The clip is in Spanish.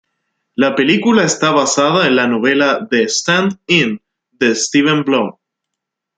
La película está basada en la novela ""The Stand-In"" de Steven Bloom.